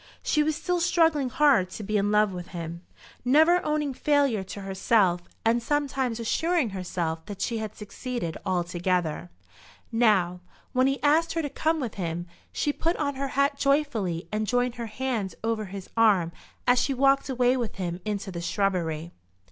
She was still struggling hard to be in love with him, never owning failure to herself, and sometimes assuring herself that she had succeeded altogether. Now, when he asked her to come with him, she put on her hat joyfully, and joined her hands over his arm as she walked away with him into the shrubbery.